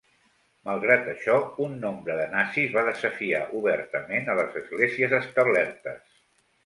Malgrat això, un nombre de nazis va desafiar obertament a les esglésies establertes.